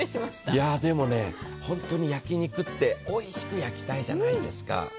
でも、本当に焼き肉っておいしく焼きたいじゃないですか。